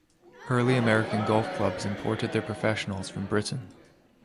Early American golf clubs imported their professionals from Britain.